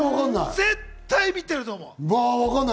絶対、見てると思う！